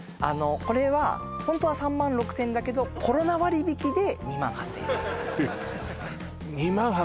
これは本当は３万６０００円だけどコロナ割引で２万８０００円